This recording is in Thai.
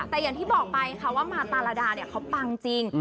แต่อย่างที่บอกไปค่ะว่ามาตาราดาเนี่ยเขาปังจริง